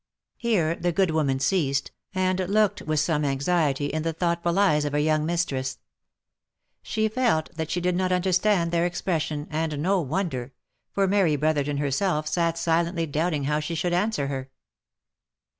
Here the good woman ceased, and looked with some anxiety in the thoughtful eyes of her young mistress. She felt that she did not un derstand their expression, and no wonder, for Mary Brotherton her self sat silently doubting how she should answer her.